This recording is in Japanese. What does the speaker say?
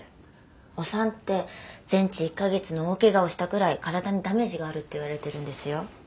お産って全治１カ月の大怪我をしたくらい体にダメージがあるっていわれてるんですよ。